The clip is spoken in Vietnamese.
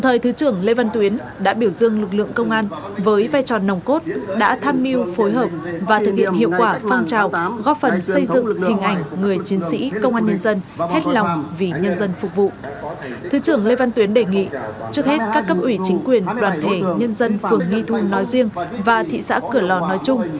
thứ trưởng lê văn tuyến đề nghị trước hết các cấp ủy chính quyền đoàn thể nhân dân phường nghi thu nói riêng và thị xã cửa lò nói chung